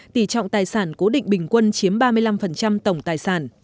tỷ trọng tài sản cố định bình quân chiếm ba mươi năm tổng tài sản